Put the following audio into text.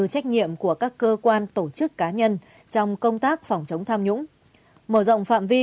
trách nhiệm của các cơ quan tổ chức cá nhân trong công tác phòng chống tham nhũng mở rộng phạm vi